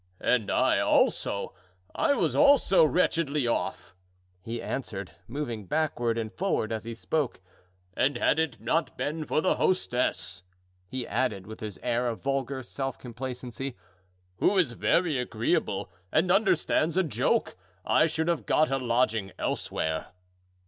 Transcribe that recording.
"And I, also—I was also wretchedly off," he answered, moving backward and forward as he spoke; "and had it not been for the hostess," he added, with his air of vulgar self complacency, "who is very agreeable and understands a joke, I should have got a lodging elsewhere."